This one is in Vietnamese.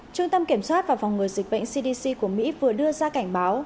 trung tâm kiểm soát và phòng ngừa dịch bệnh cdc của mỹ vừa đưa ra cảnh báo